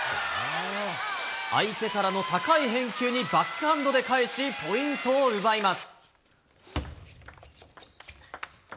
相手からの高い返球にバックハンドで返し、ポイントを奪います。